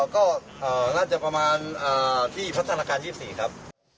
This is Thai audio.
ก็น่าจะประมาณที่พัฒนาการ๒๔ครับ